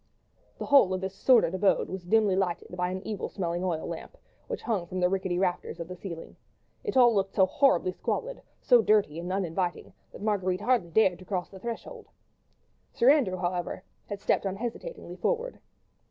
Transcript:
The whole of this sordid abode was dimly lighted by an evil smelling oil lamp, which hung from the rickety rafters of the ceiling. It all looked so horribly squalid, so dirty and uninviting, that Marguerite hardly dared to cross the threshold. Sir Andrew, however, had stepped unhesitatingly forward.